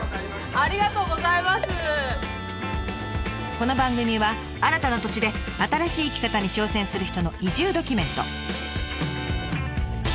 この番組は新たな土地で新しい生き方に挑戦する人の移住ドキュメント。